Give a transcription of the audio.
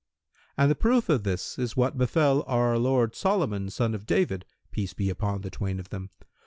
And the proof of this is what befel our Lord Solomon, son of David, (peace be upon the twain of them!)